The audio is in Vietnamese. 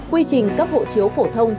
quy trình cấp hộ chiếu phổ thông